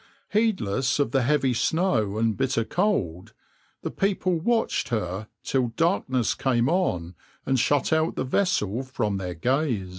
Heedless of the heavy snow and bitter cold, the people watched her till darkness came on and shut out the vessel from their gaze.